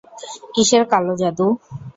কীসের কালো জাদু?